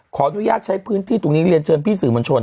ขออนุญาตใช้พื้นที่ตรงนี้เรียนเชิญพี่สื่อมวลชน